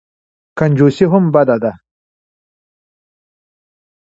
کنجوسي هم بده ده.